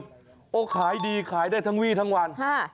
โอ้โหขายดีขายได้ทั้งวี่ทั้งวัน